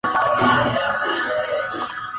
Su capital y ciudad más poblada es Goiânia.